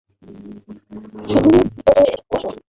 শুধু ভিতরে -- বসো।